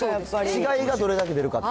違いがどれだけ出るか。